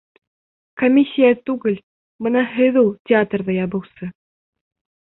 Комиссия түгел, бына һеҙ ул театрҙы ябыусы!